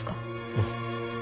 うん。